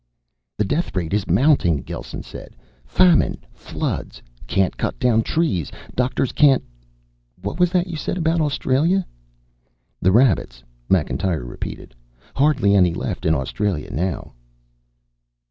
"The death rate is mounting," Gelsen said. "Famine. Floods. Can't cut down trees. Doctors can't what was that you said about Australia?" "The rabbits," Macintyre repeated. "Hardly any left in Australia now."